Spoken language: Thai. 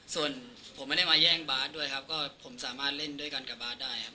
ส่วนผมไม่ได้มาแย่งบาทด้วยครับก็ผมสามารถเล่นด้วยกันกับบาทได้ครับ